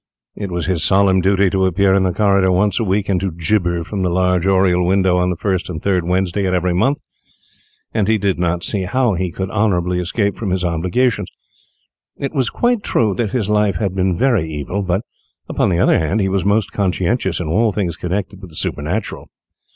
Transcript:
It was his solemn duty to appear in the corridor once a week, and to gibber from the large oriel window on the first and third Wednesdays in every month, and he did not see how he could honourably escape from his obligations. It is quite true that his life had been very evil, but, upon the other hand, he was most conscientious in all things connected with the supernatural.